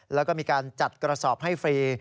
แล้วก็มีการจัดกระสอบให้ฟรี